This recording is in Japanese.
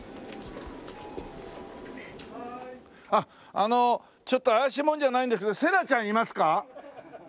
あのちょっと怪しい者じゃないんですけど瀬良ちゃんいますか？